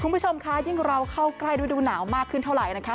คุณผู้ชมค่ะยิ่งเราเข้าใกล้ฤดูหนาวมากขึ้นเท่าไหร่นะคะ